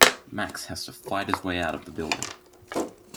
Max has to fight his way out of the building.